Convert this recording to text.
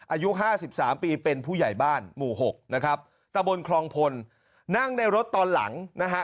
อายุห้าสิบสามปีเป็นผู้ใหญ่บ้านหมู่หกนะครับตะบนคลองพลนั่งในรถตอนหลังนะฮะ